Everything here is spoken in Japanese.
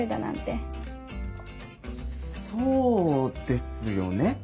あそうですよね？